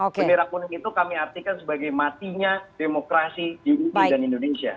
bendera kuning itu kami artikan sebagai matinya demokrasi di ug dan indonesia